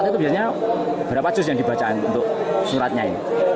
itu biasanya berapa juz yang dibacaan untuk sholatnya ini